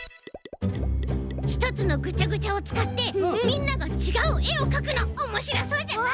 ひとつのぐちゃぐちゃをつかってみんながちがうえをかくのおもしろそうじゃない？